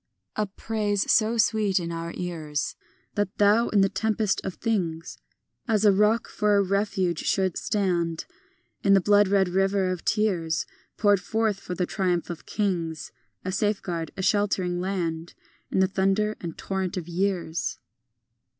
III A praise so sweet in our ears, That thou in the tempest of things As a rock for a refuge shouldst stand, In the bloodred river of tears Poured forth for the triumph of kings; A safeguard, a sheltering land, In the thunder and torrent of years.